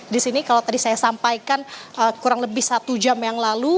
di sini kalau tadi saya sampaikan kurang lebih satu jam yang lalu